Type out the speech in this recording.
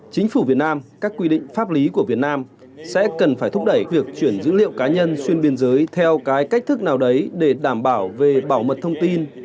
chính phủ việt nam các quy định pháp lý của việt nam sẽ cần phải thúc đẩy việc chuyển dữ liệu cá nhân xuyên biên giới theo cái cách thức nào đấy để đảm bảo về bảo mật thông tin